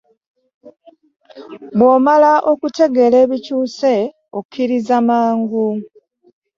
Bw'omala okutegeera ebikyuse okiriza mangu.